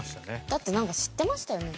だってなんか知ってましたよね。